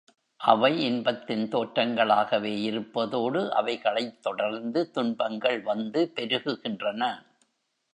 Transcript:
அவை இன்பத்தின் தோற்றங்களாகவே இருப்பதோடு, அவைகளைத் தொடர்ந்து துன்பங்கள் வந்து பெருகுகின்றன.